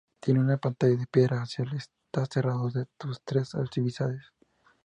Tenía una pantalla de piedra hacia el este cerrando sus tres ábsides.